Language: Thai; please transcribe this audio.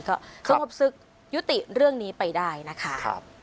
ก็สงบซึกยุติเรื่องนี้ไปได้นะคะ